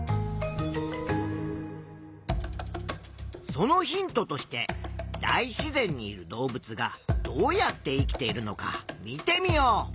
そのヒントとして大自然にいる動物がどうやって生きているのか見てみよう。